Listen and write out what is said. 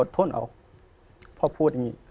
อดทนออกพ่อพูดอย่างนี้